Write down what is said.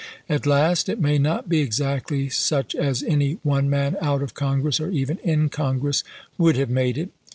At last, it may not be exactly such as any one man out of Congress, or even in Congress, would have made it.